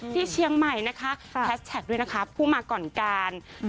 ที่เชียงใหม่แท็กด้วยปู้มาก่อนการ